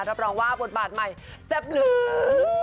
รับรองว่าบทบาทใหม่แซ่บลืม